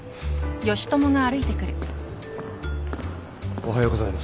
おはようございます。